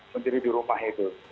pencuri di rumah itu